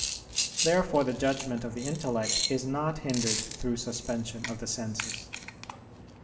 Therefore the judgment of the intellect is not hindered through suspension of the senses.